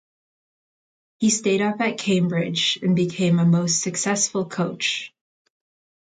He stayed up at Cambridge and became a most successful coach.